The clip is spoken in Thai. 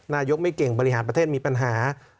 นายกไม่เก่งบริหารประเทศมีปัญหา